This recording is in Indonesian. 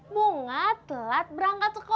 bunga telat berangkat sekolah